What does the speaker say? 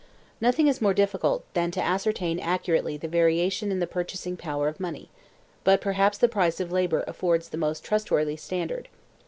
Nothing is more difficult than to ascertain accurately the variation in the purchasing power of money, but perhaps the price of labor affords the most trustworthy standard.